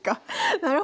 なるほど。